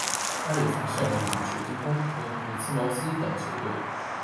他也曾效力于水晶宫和朴茨茅斯等球队。